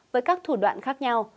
với các thủ đoạn khác nhau